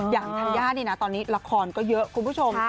อย่างธรรยาเนี่ยนะตอนนี้ละครก็เยอะคุณผู้ชม